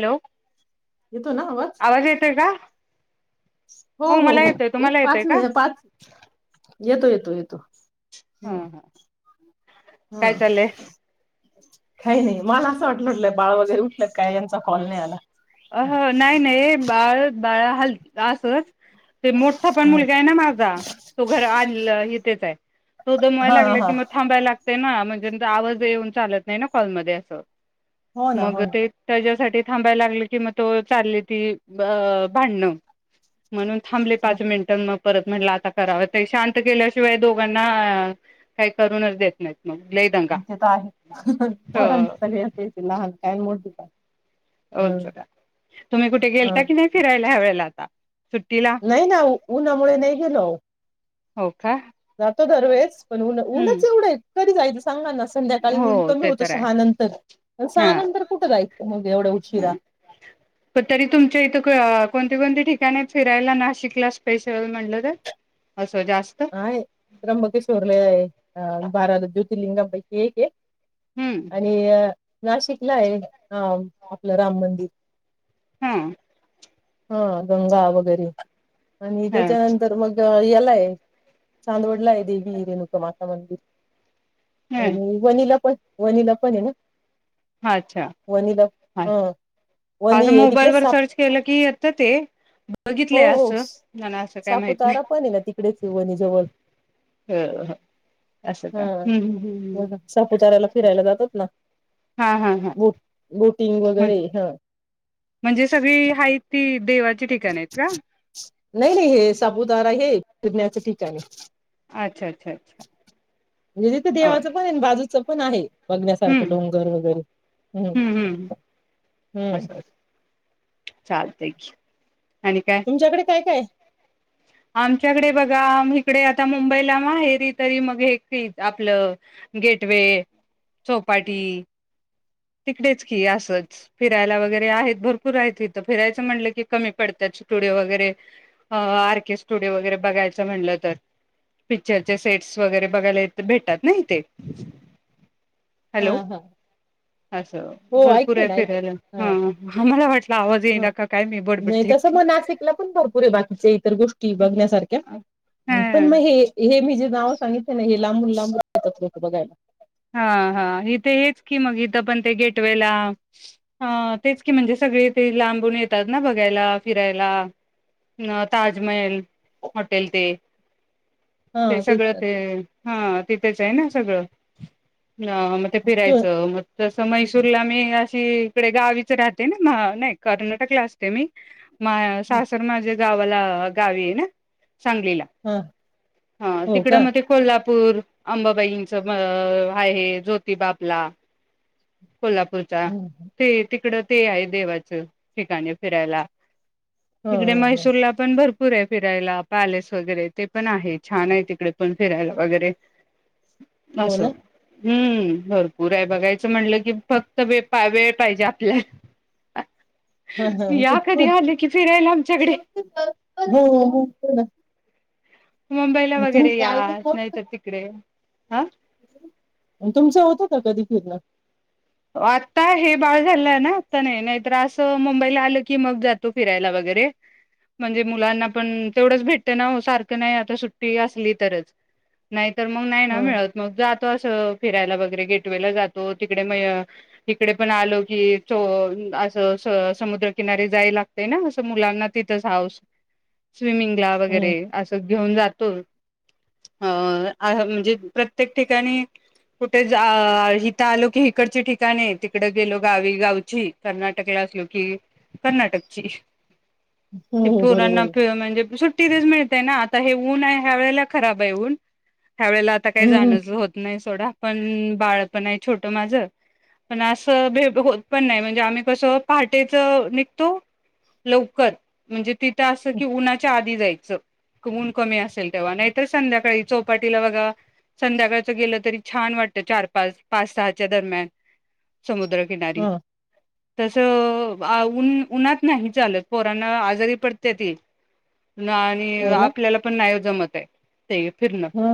Hello येतोय ना आवाज येतोय का हो हो मला हो येतोय एक तुम्हाला पाच येतोय का म पाच येतो येतो येतो ह काय हम... चाललंय काही नाही मला असं वाटूराहील बाळ वगैरे उठल कि काय यांचा कॉल नाही आला अहं नाही नाही बाळ बाळा हलदी ला असच ते मोठठा पण मुलगा आहे ना माझा तो घर आल इथेच आहे तो दमवाया हा लागल हा कि मग थांबाया लाग ते ना म्हणजे आवाज येऊन चालत नाही ना कॉलमध्ये असं हो ना हो मग ना ते त्याच्या तठी थांबाय लागले. की म तव चाललीती भांडणं. म्हणून थांबले पाच मिनिट़ मग परत म्हटलं आता करावं ते शांत केल्याशिवाय दोघांना काही करूनच देत नाहीत. मग लई दंगा हं ते तर आहे, हं हो हं सगळ्यांचेच लहान. काही न पिता हो चला, तुम्ही कुठे गेलता की ह नाही फिरायला ह्या वेळेला? लागा नाही ना ओ. उन्हामुळे नाही गेलं हो. का जातो दरवेेळेस पण उन्ह, हम्म उनच एवढंहे. कधी जायचं? सांगा ना संध्याकाळी हो ऊन कमी ते होत तर आहे सहा नंतर, हा सहा नंतर कुठं जायचं मग एवढ्या उशिरा. ह कोणते कोणते ठिकाण आहेत फिरायला नाशिकला स्पेशल म्हटलं तर? असं जास्त आहे, त्र्यंबकेश्वरला आहे. अ बारा ज्योतिर्लिंगापैकी एक आहे. हम्म आणि आ नाशिकला आहे, हं आपलं, राम मंदिर. हम्म. हं, दंगा वगैरे. आणि अच्छा तेच्यानंतर मग आई यालाहे. चांदवाडला देवी रेणुकामाता मंदिर. आणि वणीला पण वणीला पण हे ना. अच्छा, वणीला हा वणी असं आहे तिकडे मोबाईलवर साप सर्च केलं की येत ते, हो बघितलंय हो असं, पण असं काय माहित नाही. वणीजवल, हो हो असं का हां हम्म हम्म हम्म. हं, सापुचाऱ्याला फिरायला जातात ना. हा हा हा. थिंग म्हण- वगैरे हे, हा. म्हणजे सगळी हायेत ती देवाचे ठिकाणे आहेत का? नाही -नाही हे सापुतारा हे फिरण्याच ठिकाण आहे. अच्छा अच्छा अच्छा म्हणजे ते देवाचं पण आहेन बाजूच पण आहे.. बघण्यासारखं हम्म डोंगर वगैरे हम्म- हम्म... असं असं चालतंय की.... आणि काय तुमच्याकडे काय -काये..... आमच्याकडे बघा म इकडे आता मुंबईला माहेरी तरी मग एक तीच आपलं गेटवे चौपाटी तिकडेच की असंच फिरायला वगैरे आहेत भरपूर आहेत तिथं की असंच फिरायला वगैरे आहेत भरपूर आहेत तिथं फिरायच म्हणलं की कमी पडत्यात स्टुडिओ वगैरे अ आर केे स्टुडिओ वगैरे बघायचं म्हणलं तर पिक्चरचे सेट्स वगैरे बघायला येत भेटात नाही ईथे.... हं- हं असं भरपूर आहे फिरायला हां आम्हाला वाट.. ह नाही तस मग नासिकला पण भरपूर आहे बाकीचे इतर गोष्टी बघण्यासारख्या पण हा मग हे- हे मी जे नाव सांगितलं नाही... लई लांबुन- लांबुन येतात लोकं बघायला हा- हा हितं हेच की मग हित पण ते गेट ट्वेला अं तेच की म्हणजे सगळे ते लांबून येतात ना बघायला फिरायला ताजमल हॅॉटेल ते ते हा तेच सगळं ते हा ते त्याचं आहे ना सगळं हं मग ते तर फिरायचं मग तसं मैसूरला मी आ ची इकडे गावीच राहते ना न्हा नाही कर्नाटकला असते मी माह्या सासर माझे गावाला गावीये ना सांगलीला हा ह हो तिकडं का म कोल्हापूर पोर अंबाबाईंच मा अ आहे जोतिबा आपला कोल्हापूरच्या ह ते तिकडं ते आहे देवाचं ठिकाणी फिरायला ह तिकडे ह मैसूर ला पण भर भरपूर ये फिरायला पॅलेस वगैरे ते पण आहे छान आहे तिकडे पण फिरायला वगैरे, हो ना असंं हम्म भरपूर आहे बघायचं म्हणलं कि फक्त वे- वेळ पाहिजे आपल्याला हा हा या कधी आले की फिरायला आमच्याकडे हो हो मुंबईला तुम वगैरे या नाहीतर तिकडे. हा तुमचा होत का कधी फिरनं. आता हे बाळ झालं आहे ना आता नाही नाहीतर असं मुंबईला आलं की मग जातो फिरायला वगैरे म्हणजे मुलांना पण तेवढंच भेटत ना सारख नाही आता सुट्टी असली तरच नाय तर मग नाही ना हा मिळत मग जात तो असं फिरायला वगैरे गेटवे ला जातो तिकडे म आं इकडे पण आलो की असं समुद्रकिनारी जाय लागतयं ना असं मुलांना तिथंच हौस. स्विमिंग ला हम्म वगैरे असं घेऊन जातोच अ म्हणजे प्रत्येक ठिकाणी कुठे हित आलो की हिकडंची ठिका तिकड गेलो गावी गावची कर्नाटकला असलो की कर्नाटकची. हो ते हो बरोबर पोरांना आहे फि म्हणजे सुट्टीतच मिळत. ना आता हे ऊन आहे ह्या वेळेला खराब आहे ऊन हयावेळेला आता काही हम्म हम्म जाणचं होत नाही थोडा पण बाळ पण आहे छोटं माझं पण असं भेट होत पण नाही म्हणजे आम्ही कसं पहाटेच निघतो लवकरच म्हणजे तिथं असं की उन्हाच्या आधी जायचं ऊन कमी असेल तेव्हा नाहीतर संध्याकाळी चौपाटीला बघा संध्याकाळचं गेलं तरी छान वाटतं चार पाच पाच सहाच्या दरम्यान समुद्र किनारी हा तसं उन उन्हात नाही चालत पोरांना आजारी पडतेती. आणि हो ना आपल्याला पण नाही जमते फिरण हा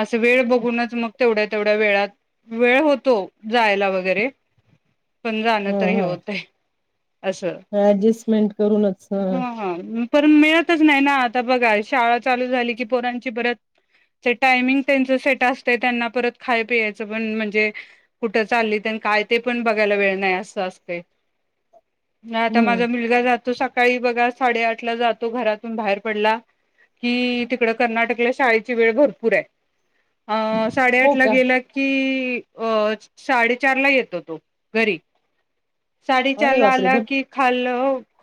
असं वेळ बघूनच मग तेवढ्या तेवढ्या वेळात वेळ होतो जायला वगैरे पण हा जाणतरी हा होतेयं. ऍडजस्टमेंट करूनच ह. पण मिळतच नाही ना आता बघा शाळा चालू झाली की पोरांची परत टायमिंग त्यांच सेट असत त्यांना परत खाय पियचं पण म्हणजे कुठं चालली तेन काय ते पण बघायला वेळ नाय असं असतय नाही आता हम्म माझा मुलगा जा तो सकाळी बघा साडे आठला जातो घरातून बाहेर पडला कि तिकडं कर्नाटकला शाळेची वेळ भरपूर आहे. अ साडेआठ हो ला का गेल की की अच साडेचार ला येतो तो घरी. साडे अरे चारला बापरे आला बर की खाल्ल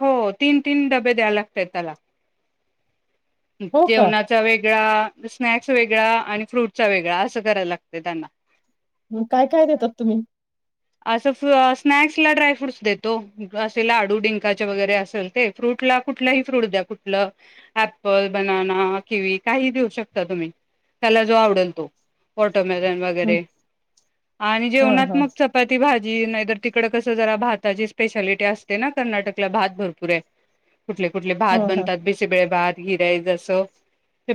हो तीन तीन डबे द्याव लागतात त्याला. हो का जेवणाचा वेग वेगळा स्नॅक्स वेगळा आणि फ्रूटचा वेगळा असं करायला लागते त्यांना. काय काय देतात तुम्ही असं स्नॅक्सला ड्रायफ्रूट्स देतो. असे लाडू डिंकाचे वगैरे असेल ते, फ्रूटला कुठही फ्रूट द्या. कुठलं ऍप्पल, बनाना, किवी काही देऊ शकता तुम्ही त्याला जो आवडल तो. [unintelligible] वगैरे आणि हा जेवणात हा मग चपाती भाजी नाहीतर तिकड कस जरा भाताची स्पेशालिटी असते ना कर्नाटकला भात भरपूर आहे कुठले कुठले भात हा हा बनतात बिसेबळे भात हिरा जस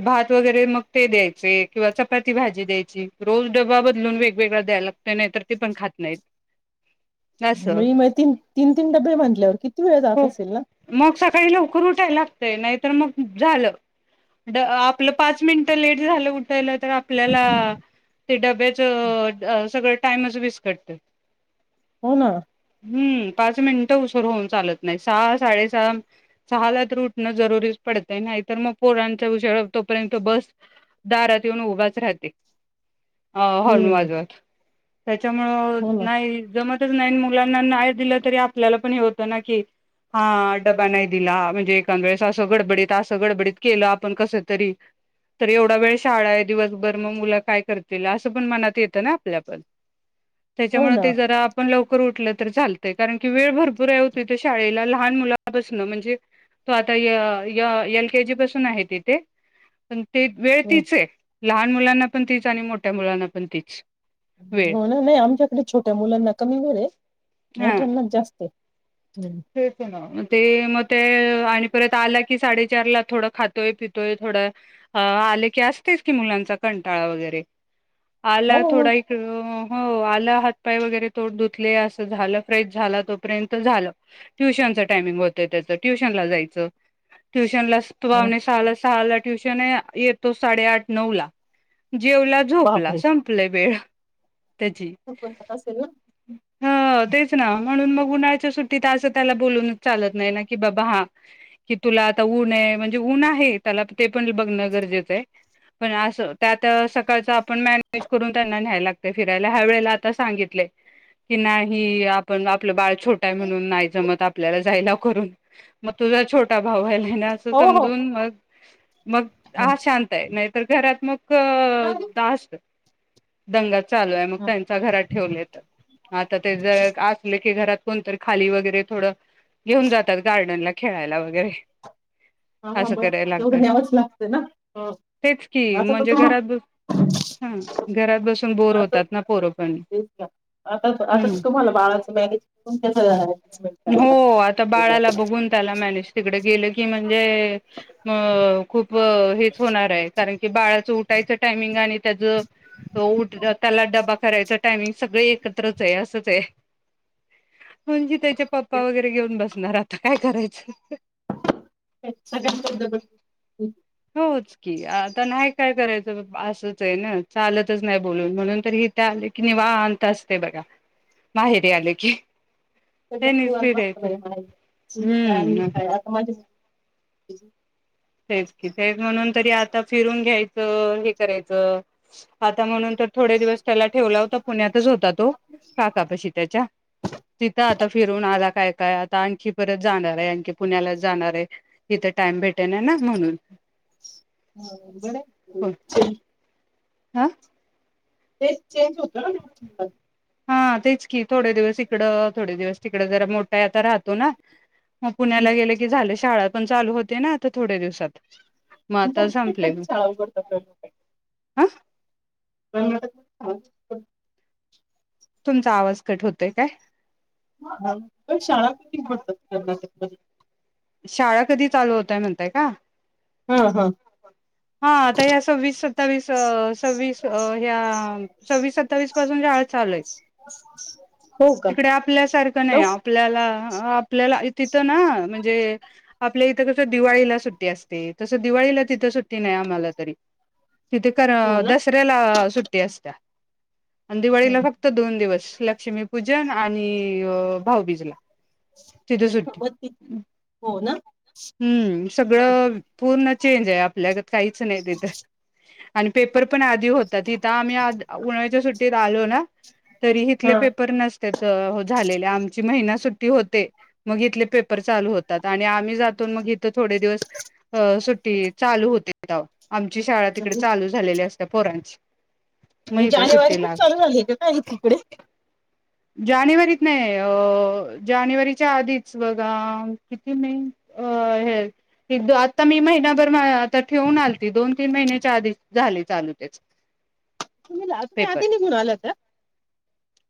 भात ते वगैरे मग ते द्यायचे किंवा चपाती भाजी द्यायची. रोज ड्बा बदलून वेगवेगळा द्याला लागतोय नाही तर ते पण खात नाहीत. असं म-म तीन-तीन तीन डबे म्हंटल्यावर किती वेळ जात असेल ना? काही लवकर उठायला लागतंय, नाहीतर मग झालं. ड आपलं पाच मिनटं लेट झालं उठायला, तर आपल्याला ते डब्याच अं सगळं टाइमच विस्कटत. ते हो ना. हम्म पाच मिनिटं उसर होऊन चालत नाही सहा साडेसहा सहा ला तर उठण जरुरीच पडतय नाहीतर मग पोरांचा उशरा तोपर्यंत बस दारात येऊन उभाच राहते अ हॉर्न हम्म वाजवत त्याच्यामुळ हो ना नाही जमत नाही मुलांना नाही दिलं तरी आपल्याला पण हे होतं ना, की हा डबा नाही दिला. म्हणजे एखांद वेळेस असं गडबडीत असं गडबडीत केलं आपण कस तरी तर एवढा वेळ शाळा आहे, दिवसभर मग मुलं काय करतील असं पण मनात येत ना आपल्या पण. हो त्याच्यामुळे ना ते जरा आपण लव लवकर उठलं तर चालतय, कारण की वेळ भरपूर हाय ओ की त शाळेला लहान मुलापासणं म्हणजे तो आता य य एलकेजी पासून आहे तेथे. पण ते वेळ हम् तिच आहे. लहान मुलांना पण तीच आणि मोठ्या मुलांना पण तीच. वेळ म्हणून मग आमच्यात मी छोट्या मुलांना कमी दर आहे हा मोठ्यांनाच जास्त ते तेच ना ते मग ते आणि परत आला की साडेचारला थोडं खातोय पितोय थोडं आले की असतेच की मुलांचा कंटाळा वगैरे हो आला मग थोडा इकड हो आला हातपाय वगैरे तोड धुतले असं झालं फ्रेश झाला तोपर्यंत झालं ट्युशन च टायमिंग होतं त्याचं ट्युशनला जायचं. ट्युश त्यांनला हं, [unintelligible] शाळा शाळेला ट्युशन हाय. येतो साडेआठ नऊला. जेवला झोपला बापरे संपल वेळ त्याची. असेल ना हं तेच ना म्हणून मग उन्हा [unintelligible] तिथ अस त्याला बोलूनच चालत नाही ना की बाबा हा की तुला आता ऊन आहे म्हणजे ऊन आहे त्याला ते पण बघण गरजेच आहे. पण अस त्यात सकाळच आपण मॅनेज करून त्यांना न्यायला लागत फिरायला ह्या वेळेला आता सांगितलंय की नाही ह आपण आपलं बाळ छोटं आहे म्हणुन नाय जमत आपल्याला करून म तुझा छो आत्ता भाव व्हाला ना असं हो हो समजून मग मग हा शांत आहे नाही तर घरात मग क तास दंगा चालू आहे मग हा त्यांच्या घरात ठेवलेत [inaudible] आता ते जर असले की घरात कोणतरी खाली वगैरे थोडं घेऊन जातात गार्डनला खेळायला वगैरे हा अस बर करायला लागत तेवढं न्यावंच लागतं ना हं, तेच की आता तर म्हणजे तुम्हा घरात बसू हम्म घरात बसून बोर आता होतात ना पोरं पण तेच की आता हम्म आताच तुम्हाला बाळाच मॅनेंज क ह ह हो आता बाळाला बघून त्याला मॅनेज तिकडे गेलं की म्हणजे ह खूप हेच होणार आहेय कारण की बाळाचं उठायचं टायमिंग आणि त्याच उठ त्याला डबा करायच टायमिंग सगळे एकत्रच आहे असंच आहे. म्हणजे पप्पा वैगरे घेऊन बस घरात काय करायचं ह्यांच्या कडे तो दगड [inaudible] होच की आता नाही काय करायचं असंच आहे ना चालतच नाही बोलून म्हणून तर हिथं आले कि निवांत असते बघा माहेरी आले की त्यांनीच फिरायचं [unintelligible] हम्म ह तेच की तेच म्हणून तरी आता फिरून घ्यायचं हे करायचं आता म्हणून तर थोडे दिवस त्याला ठेवला होता पुण्यात तिथेच होता तो काका पशी त्याच्या तिथं आता फिरवून आला काय काय आता आणखी परत जाणार आहे आणखी पुण्याला जाणार आहे तिथं टाइम भेट त्यांना ना म्हणून हा बरं हाअ्ं तेच चेंज होतं ना हा तेच की थोडे दिवस इकडं थोडे दिवस तिकडं जरा मोठा आहे आता राहतो ना. मग पुण्याला गेल की झाल शाळत पण चालू होतय ना आता थोड्या दिवसात? मग आता तुमच्याकडे संपले कधी चाल करतात लोक. हम. [inaudible] तुमचा आवाज कट होतोय काय? मंग शाळा कधी बंद करणार आहेत. बर. शाळा कधी चालू होतय म्हणताय का? हा हा हा आता ह्या सव्वीस सत्तावीस अ सववीस ह्या सव्वीस सत्तावीस पासून शाळा चालू हायत. हो का तिकडे आपल्यासारखं लव नाही आपल्याला आपल्याला तिथं ना म्हण म्हणजे आपल्या इथं कस दिवाळीला सुट्टी असते तस दिवाळीला तिथं सुट्टी नाही आम्हाला तरी तिथे कर हो ना दसऱ्याला सुट्टी असत्या. आणि दिवाळीला फक्त दोन दिवस लक्ष्मीपूजन आणि भाऊबिजला. तिथं सुट्टी मग ती हो ना हम्म सगळं. पूर्ण चेंज आहे आपल्या काही च नाही देत ये ह आणि पेपर पण आन ते होता तिथं आम्ही आज उन्हाळ्याच्या सुट्टीत आलो ना तरी इथले म्हणजे पेपर न त्या झालेल्या आमची महिना सुट्टी होते. मग इथले पेपर चालू होत त्यात आणि आम् जातो मग इथं थोडे दिवस अ सुट्टी चालू होते तवा आमची शाळा तिकडे चालू झालेली असते. त्या पोरांची? मग इथं जानेवारीतच सुट्टीला चालू झाले का काय हे तिकडे जानेवारीत नाही अ जानेवारीच्या आधीच बघा किती मी अ हे आता मी महिनाभर आता ठेऊून आलती दोन तीन महिन्याच्या आधी झालय चालू तेच तुम्ही जा तुम्ही पेपर आधी निघून आला तर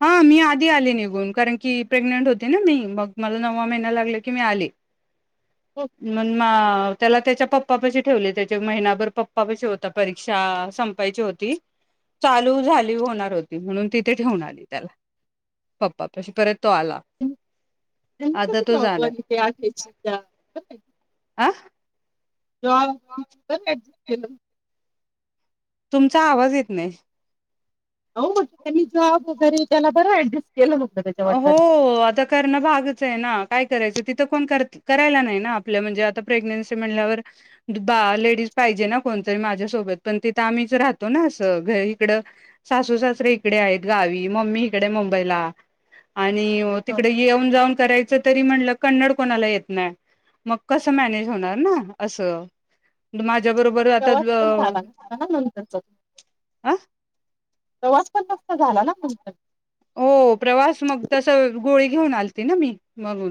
हा मी आली निघून कारण की प्रेग्नेंट होते ना मी मग मला नववा महिना लागले की मी आले मग म त्याला त्याच्या पप् पप्पाशी ठेवले त्याच्या महिनाभर पप्पापाशी होता परीक्षा संपायची होती चालू झाली होणार होती म्हणून तिथे ठेवून आली त्याला प्पापाशी परत तो आला त्यांनी आता तो कसं जाणार [unintelligible] तेच सुद्धा [unintelligible] आ जॉ गेलो तुमचा आवाज येत नाही. अओ त्यांनी जॉब वगैरे त्याला बरं ॲडजस हो आता करणं भागच आहे ना काय करायचं तिथ तिथं कोण करती करायला नाही ना आपलं म्हणजे आता प्रेग्नेन्सी म्हणल्यावर बा लेडीज पाहिजे ना कोणतरी माझ्यासोबत पण तिथं आम्हीच राहतो ना असं घर इकड सासू सासरे इकडे आहेत गावी मम्मी इकडे मुंबईला आणि तिकडे येऊन जाऊन करायचं तरी म्हणलं कन्नड कोणाला येत नाही मग कसं मॅनेज होणार ना असं माझ्या बरोबर आता प्रवास पण झाला नसता ना नंतरचा अ प्रवास पण तसा झाला ना नंतर ओ प्रवास मग तसं गोळी घेऊन आलते ना मी मागून